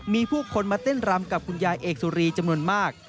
มีผู้คนมาเต้นรำกับคุณยายเอกสุรีจำนวนมาก